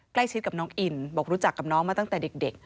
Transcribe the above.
ใกล้ชิดกับน้องอินบอกรู้จักกับน้องมาตั้งแต่เด็ก